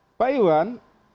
nah pak ewan